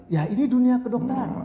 ya ini dunia kedokteran